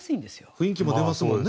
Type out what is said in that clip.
雰囲気も出ますもんね。